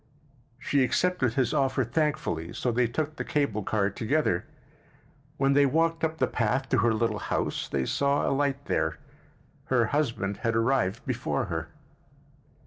She accepted his offer thankfully, so they took the cable car together. When they walked up the path to her little house they saw a light there; her husband had arrived before her.